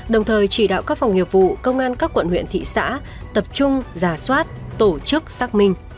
đồng thời chỉ đạo các phòng nghiệp vụ công an các quận huyện thị xã tập trung giả soát tổ chức xác minh